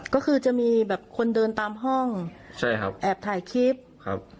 ก็คือจะมีแบบคนเดินตามห้องใช่ครับแอบถ่ายคลิปครับ